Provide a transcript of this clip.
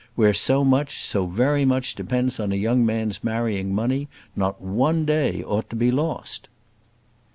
Where so much, so very much depends on a young man's marrying money, not one day ought to be lost."